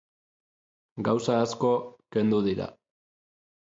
Gauza asko kendu dira.